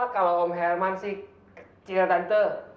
kalau om herman sih cerita tante